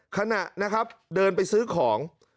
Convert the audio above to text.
ขณะเดินไปซื้อของ